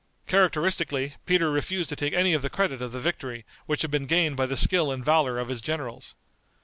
Characteristically Peter refused to take any of the credit of the victory which had been gained by the skill and valor of his generals.